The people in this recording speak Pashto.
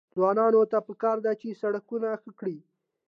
ځوانانو ته پکار ده چې، سړکونه ښه کړي.